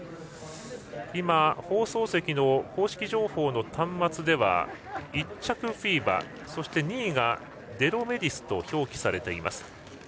今、放送席の公式情報の端末では１着がフィーバ、２位がデロメディスと表記されています。